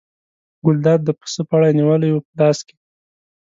ګلداد د پسه پړی نیولی و په لاس کې.